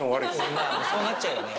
そうなっちゃうよね。